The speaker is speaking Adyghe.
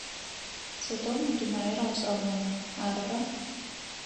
Сыдэу мы дунаир гъэшӏэгъон, арыба?